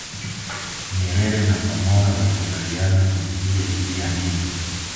Nyerere na Samora walikubaliana kumpiga Idi Amin